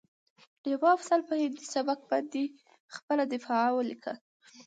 ډيوه افضل په هندي سبک باندې خپله دفاعیه ولیکه